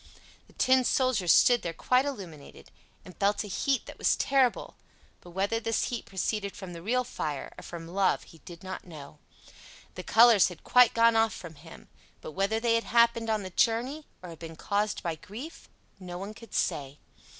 The Tin Soldier stood there quite illuminated, and felt a heat that was terrible; but whether this heat proceeded from the real fire or from love he did not know. The colors had quite gone off from him; but whether that had happened on the journey, or had been caused by grief, no one could say.